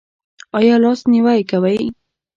ایا لاس نیوی کوئ؟